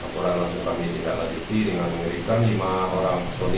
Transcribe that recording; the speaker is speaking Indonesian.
kuran langsung kami tinggal lagi dengan mengerikan lima orang personil